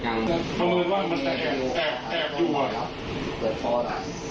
มันแอบดูก่อน